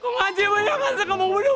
kok aji banyak yang mau bunuh bunuh